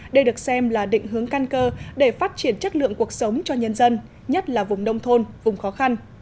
đây được xem là định hướng căn cơ để phát triển chất lượng cuộc sống cho nhân dân nhất là vùng nông thôn vùng khó khăn